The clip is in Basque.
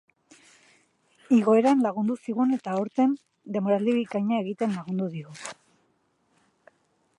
Igoeran lagundu zigun, eta aurten denboraldi bikaina egiten lagundu digu.